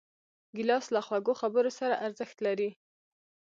ګیلاس له خوږو خبرو سره ارزښت لري.